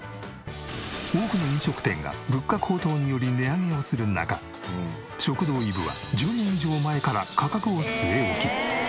多くの飲食店が物価高騰により値上げをする中食堂いぶは１０年以上前から価格を据え置き。